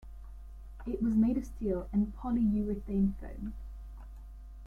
It was made of steel and polyurethane foam.